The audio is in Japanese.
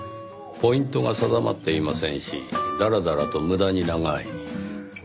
ポイントが定まっていませんしだらだらと無駄に長い。